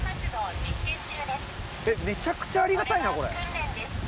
めちゃくちゃありがたいな、これ。